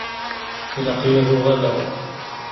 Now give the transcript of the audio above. Ilaq-iyi ad uɣaleɣ.